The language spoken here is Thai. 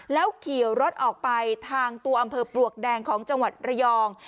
แล้วขี่รถออกไปทางตัวอำเภอปลวกแดงของจังหวัดระยอง